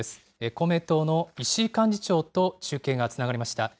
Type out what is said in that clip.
公明党の石井幹事長と中継がつながりました。